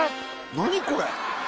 何これ？